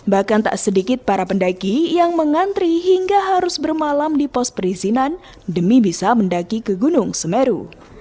bahkan tak sedikit para pendaki yang mengantri hingga harus bermalam di pos perizinan demi bisa mendaki ke gunung semeru